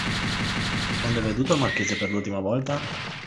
Quando ha veduto il marchese per l'ultima volta?